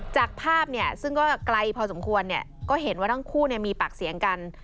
จากภาพเนี่ยซึ่งก็ไกลพอสมควรเนี่ยก็เห็นว่าทั้งคู่มีปากเสียงกัน